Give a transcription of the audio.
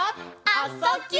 「あ・そ・ぎゅ」